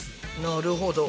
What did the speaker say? なるほど。